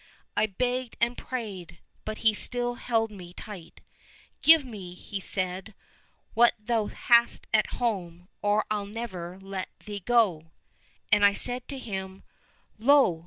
I begged and prayed, but still he held me tight. ' Give me,' said he, ' what thou hast at home, or I'll never let thee go !'— ^And I said to him, ' Lo